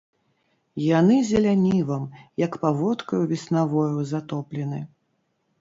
Яны зелянівам, як паводкаю веснавою, затоплены.